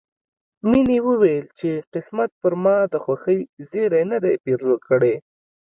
مينې وويل چې قسمت پر ما د خوښۍ زيری نه دی پيرزو کړی